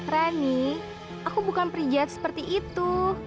rani aku bukan prijat seperti itu